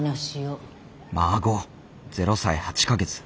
孫０歳８か月。